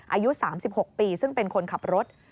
อายุ๓๖ปีซึ่งเป็นคนขับรถ